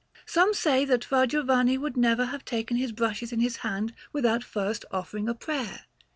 Some say that Fra Giovanni would never have taken his brushes in his hand without first offering a prayer.